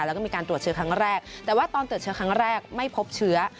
แล้วก็มีการตรวจเชื้อครั้งแรกแต่ว่าตอนตรวจเชื้อครั้งแรกไม่พบเชื้อ